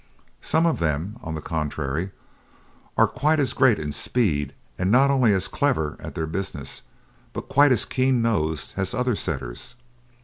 Some of them, on the contrary, are quite as great in speed and not only as clever at their business, but quite as keen nosed as other Setters.